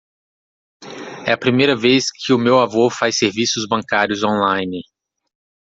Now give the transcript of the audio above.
É a primeira vez que o meu avô faz serviços bancários online.